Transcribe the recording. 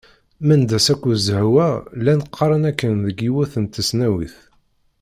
Mendas akked Zehwa llan qqaren akken deg yiwet n tesnawit.